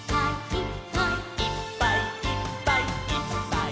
「いっぱいいっぱいいっぱいいっぱい」